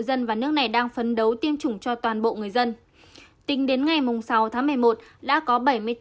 dân và nước này đang phấn đấu tiêm chủng cho toàn bộ người dân tính đến ngày sáu tháng một mươi một đã có bảy mươi tám